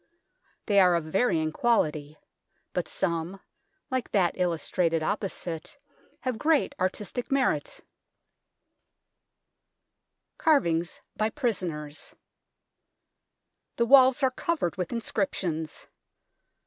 They are of varying quality, but some, like that illustrated opposite, have great artistic merit. THE BEAUCHAMP TOWER 107 CARVINGS BY PRISONERS The walls are covered with inscriptions.